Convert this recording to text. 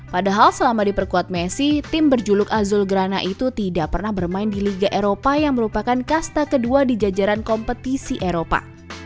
padahal selama diperkuat messi tim berjuluk azulgrana itu tidak pernah bermain di liga eropa yang merupakan kasta kedua di jajaran kompetisi eropa